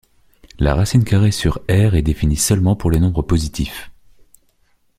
La racine carrée sur ℝ est définie seulement pour les nombres positifs.